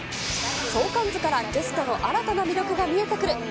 相関図からゲストの新たな魅力が見えてくる。